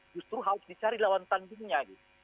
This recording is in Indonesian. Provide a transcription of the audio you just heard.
justru harus dicari lawan tandingnya gitu